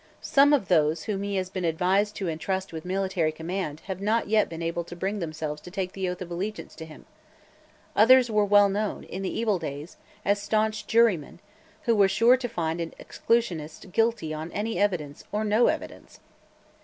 Some of those whom he has been advised to entrust with military command have not yet been able to bring themselves to take the oath of allegiance to him. Others were well known, in the evil days, as stanch jurymen, who were sure to find an Exclusionist guilty on any evidence or no evidence."